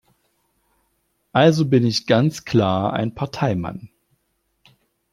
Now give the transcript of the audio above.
Also bin ich ganz klar ein Parteimann.